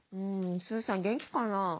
すーさん元気かな？